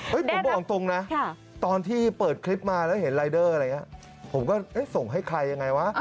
ผมบอกตรงนะตอนที่เปิดคลิปมาแล้วเห็นรายเดอร์อะไรอย่างนี้ผมก็ส่งให้ใครยังไงวะ